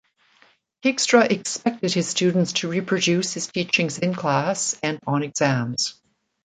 Keegstra expected his students to reproduce his teachings in class and on exams.